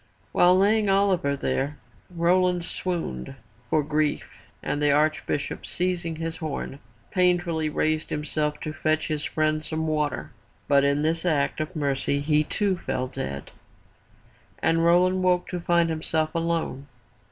While laying Oliver there, Roland swooned for grief and the Arch bishop, seizing his horn, painfully raised himself to fetch his friend some water. But in his act of mercy, he too fell dead, and Roland woke to find himself alone.